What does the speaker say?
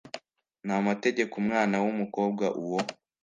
n amategeko umwana w umukobwa uwo